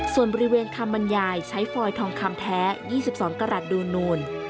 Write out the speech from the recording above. ส่วนบริเวณคำบรรยายใช้ฟอยทองคำแท้๒๒กรัฐดูนูน